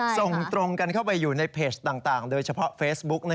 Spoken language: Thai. ส่งตรงกันเข้าไปอยู่ในเพจต่างโดยเฉพาะเฟซบุ๊ก